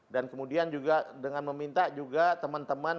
dan kemudian juga dengan meminta juga teman teman